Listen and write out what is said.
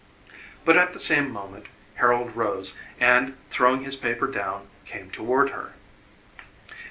But at the same moment Harold rose and, throwing his paper down, came toward her.